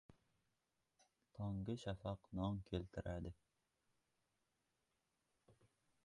• Tonggi shafaq non keltiradi.